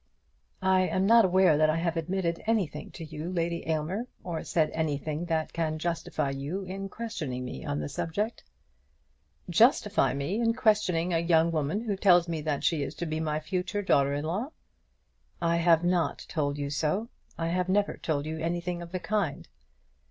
"I am not aware that I have admitted anything to you, Lady Aylmer, or said anything that can justify you in questioning me on the subject." "Justify me in questioning a young woman who tells me that she is to be my future daughter in law!" "I have not told you so. I have never told you anything of the kind."